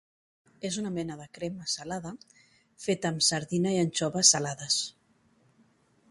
És una mena de crema salada feta amb sardina i anxova salades.